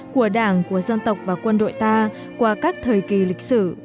của đảng của dân tộc và quân đội ta qua các thời kỳ lịch sử